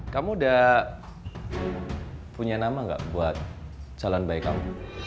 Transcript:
kamu udah punya nama gak buat calon bayi kamu